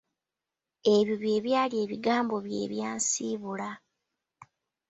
Ebyo bye byali ebigambo bye ebyansiibula.